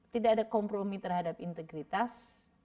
tidak ada kompromi terhadap integritas